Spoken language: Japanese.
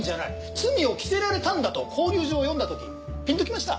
罪を着せられたんだと勾留状を読んだ時ピンときました。